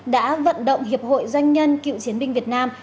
đã vận động hiệp hội doanh nhân cựu chiến binh việt nam